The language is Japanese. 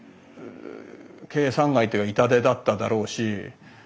計算外というか痛手だっただろうし。